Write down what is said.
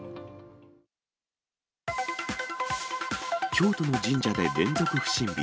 京都の神社で連続不審火。